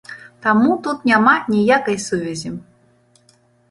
Таму тут няма ніякай сувязі.